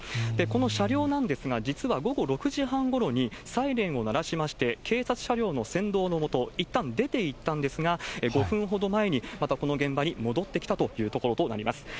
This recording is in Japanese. この車両なんですが、実は、午後６時半ごろに、サイレンを鳴らしまして、警察車両の先導の下、いったん、出ていったんですが、５分ほど前にまたこの現場に戻ってきたというところとなります。